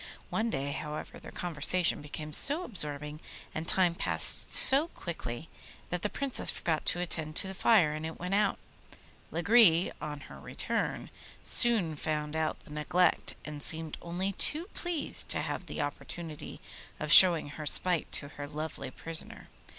One day, however, their conversation became so absorbing and time passed so quickly that the Princess forgot to attend to the fire, and it went out. Lagree, on her return, soon found out the neglect, and seemed only too pleased to have the opportunity of showing her spite to her lovely prisoner.